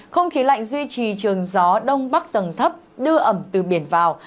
không khí lạnh duy trì trường gió đông bắc tầng thấp đưa ẩm từ biển vào